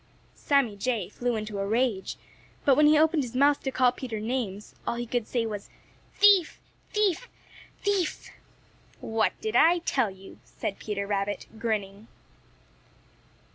Sammy Jay flew into a rage, but when he opened his mouth to call Peter names, all he could say was "Thief! thief! thief!" "What did I tell you?" said Peter Rabbit, grinning.